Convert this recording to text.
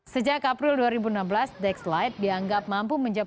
sejak april dua ribu enam belas dex light dianggap mampu menjawab